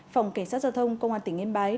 phòng cảnh sát giao thông công an tỉnh yên bái